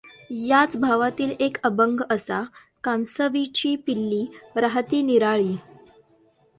याच भावातील एक अभंग असाः कांसवीची पिलीं राहती निराळीं ।